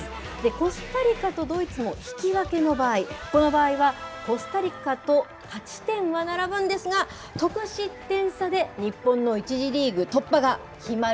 コスタリカとドイツも引き分けの場合、この場合は、コスタリカと勝ち点は並ぶんですが、得失点差で日本の１次リーグ突破が決まる。